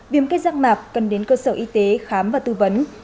viêm kết giác mạc cần đến cơ sở y tế khám và tư vấn